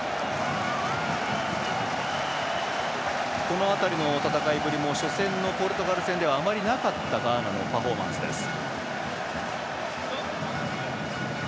この辺りの戦いぶりも初戦のポルトガル戦ではあまりなかったガーナのパフォーマンスです。